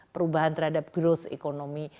perubahan terhadap growth ekonomi